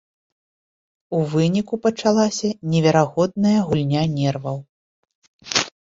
У выніку пачалася неверагодная гульня нерваў.